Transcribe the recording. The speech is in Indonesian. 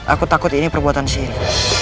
aku takut ini perbuatan sini